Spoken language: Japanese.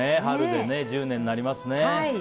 春で１０年になりますね。